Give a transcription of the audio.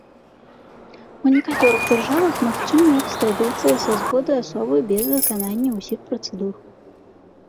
У некаторых дзяржавах магчымая экстрадыцыя са згоды асобы без выканання ўсіх працэдур.